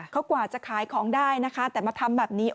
เขากว่าจะขายของได้นะคะแต่มาทำแบบนี้